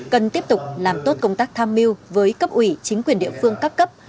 cần tiếp tục làm tốt công tác tham mưu với cấp ủy chính quyền địa phương các cấp